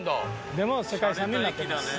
でも世界遺産になってます。